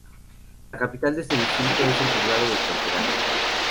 La capital de este distrito es el poblado de "Cortegana".